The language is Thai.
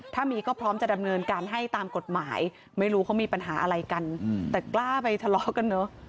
ถ้ามีก็พร้อมจะดำเนินการให้ตามกฎหมายไม่รู้เขามีปัญหาอะไรกันแต่กล้าไปทะเลาะกันเนอะ